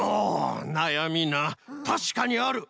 たしかにある。